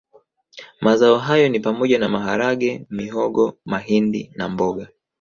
Mazao hayo ni pamoja na maharage mihogo mahindi na mboga